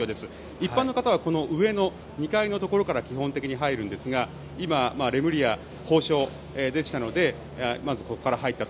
一般の方はこの上の２階のところから基本的に入るんですが今、レムリヤ法相でしたのでまずここから入ったと。